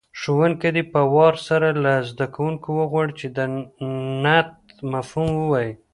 ښوونکی دې په وار سره له زده کوونکو وغواړي چې د نعت مفهوم ووایي.